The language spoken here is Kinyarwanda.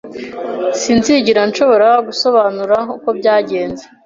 Sinzigera nshobora gusobanura uko byagenze